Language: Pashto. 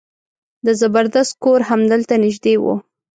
د زبردست کور همدلته نژدې و.